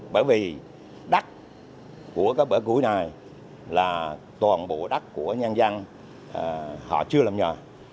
bởi vì đất của các bể củi này là toàn bộ đất của nhân dân họ chưa làm nhờ